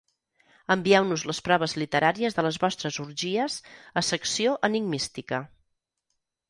Envieu-nos les proves literàries de les vostres orgies a Secció Enigmística.